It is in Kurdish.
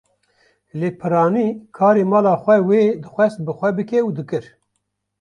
Lê piranî karê mala xwe wê dixwast bi xwe bike û dikir.